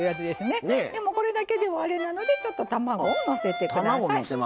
でもこれだけではあれなのでちょっと卵をのせて下さい。